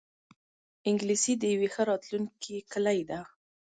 انګلیسي د یوی ښه راتلونکې کلۍ ده